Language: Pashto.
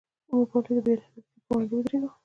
موږ ولې د بې عدالتۍ پر وړاندې دریږو؟